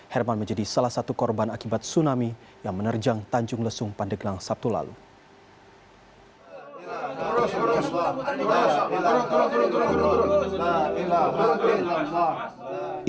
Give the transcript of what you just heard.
herman menjadi salah satu korban akibat tsunami yang menerjang tanjung lesung pandeglang sabtu lalu